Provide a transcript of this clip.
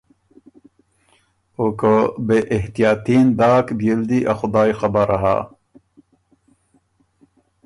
او که بې احتیاطي ن داک بيې ل دی ا خدایٛ خبر هۀ